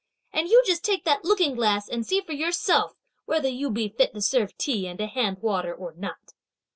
and you just take that looking glass and see for yourself, whether you be fit to serve tea and to hand water or not?"